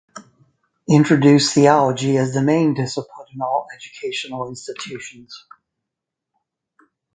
Introduced theology as the main discipline in all educational institutions.